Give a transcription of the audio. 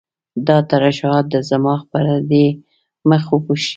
دا ترشحات د صماخ پردې مخ وپوښي.